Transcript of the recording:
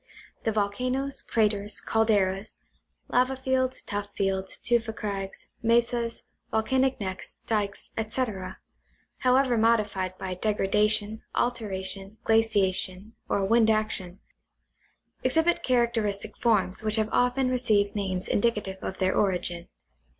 The volcanoes, craters, calderas, lava fields, tuff fields, tufa crags, mesas, volcanic necks, dykes, etc., however modified by degrada tion, alteration, glaciation, or wind action, exhibit characteristic forms which have often received names indicative of their origin.